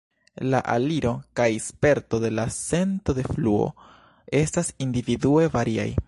La aliro kaj sperto de la sento de fluo estas individue variaj.